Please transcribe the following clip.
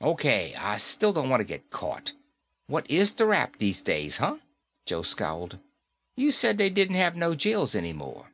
"O.K. I still don't wanta get caught. What is the rap these days, huh?" Joe scowled. "You said they didn't have no jails any more."